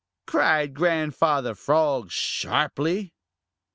cried Grandfather Frog sharply.